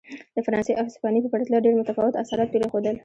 د فرانسې او هسپانیې په پرتله ډېر متفاوت اثرات پرېښودل.